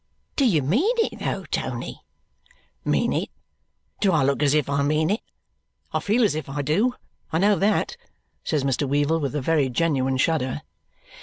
"Do you mean it though, Tony?" "Mean it! Do I look as if I mean it? I feel as if I do; I know that," says Mr. Weevle with a very genuine shudder.